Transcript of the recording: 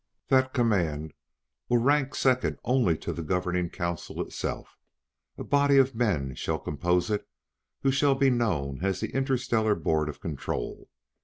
"That command will rank second only to the Governing Council itself; a body of men shall compose it who shall be known as the Interstellar Board of Control."